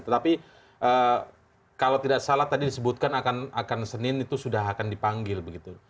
tetapi kalau tidak salah tadi disebutkan akan senin itu sudah akan dipanggil begitu